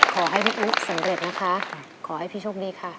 ขอให้พี่อุ๊สำเร็จนะคะขอให้พี่โชคดีค่ะ